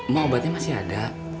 mak obatnya masih ada